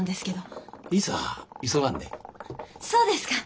そうですか。